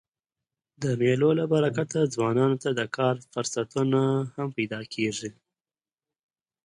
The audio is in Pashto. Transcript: د مېلو له برکته ځوانانو ته د کار فرصتونه هم پیدا کېږي.